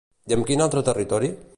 I amb quin altre territori?